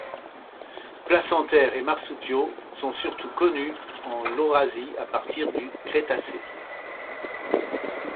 Placentaires et marsupiaux sont surtout connus en Laurasie à partir du Crétacé.